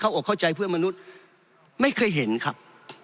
อกเข้าใจเพื่อนมนุษย์ไม่เคยเห็นครับ